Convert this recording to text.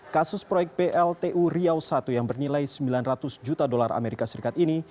kasus proyek pltu riau i yang bernilai sembilan ratus juta dolar amerika serikat ini